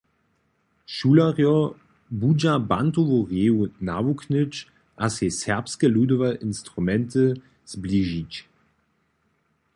Šulerjo budźa bantowu reju nawuknyć a sej serbske ludowe instrumenty zbližić.